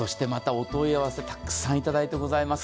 お問い合わせ、たくさんいただいております。